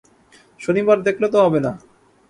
শনিবার দেখলে তো হবে না।